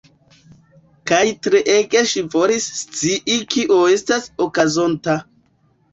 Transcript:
Kaj treege ŝi volis scii kio estas okazonta.